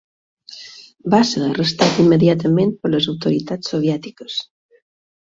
Va ser arrestat immediatament per les autoritats soviètiques.